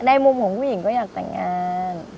มุมของผู้หญิงก็อยากแต่งงาน